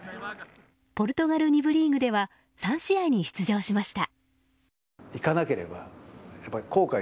ポルトガル２部リーグでは３試合に出場しました。